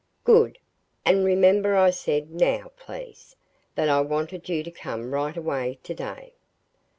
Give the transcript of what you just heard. "Good! And remember I said 'now,' please that I wanted you to come right away, to day.